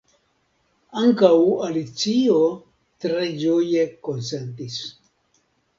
Ankaŭ Alicio tre ĝoje konsentis.